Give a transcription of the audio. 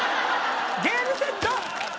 ゲームセット！